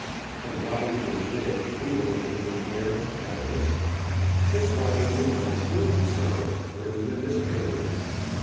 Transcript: Had Waddington lived, he would have been the heir, doubtless. Miss Waddington might still be so, or even Miss Baker.